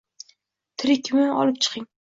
Tirikmi, olib chiqing